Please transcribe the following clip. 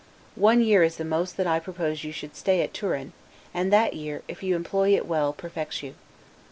One year is the most that I propose you should stay at Turin; and that year, if you employ it well, perfects you.